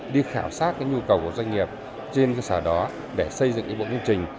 đi khảo sát nhu cầu của doanh nghiệp trên cái xã đó để xây dựng cái bộ chương trình